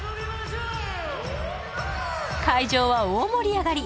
会場は大盛り上がり。